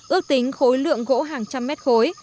ước tính khối lượng gỗ hàng trăm mét khối